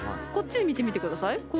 こっち見てみてください。